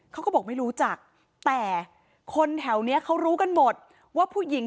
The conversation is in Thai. เขาก็บอกไม่รู้จักแต่คนแถวนี้เขารู้กันหมดว่าผู้หญิง